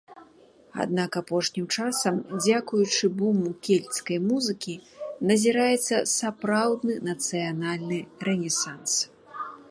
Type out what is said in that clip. Аднак апошнім часам дзякуючы буму кельцкай музыкі назіраецца сапраўдны нацыянальны рэнесанс.